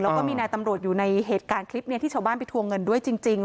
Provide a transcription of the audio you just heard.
แล้วก็มีนายตำรวจอยู่ในเหตุการณ์คลิปนี้ที่ชาวบ้านไปทวงเงินด้วยจริง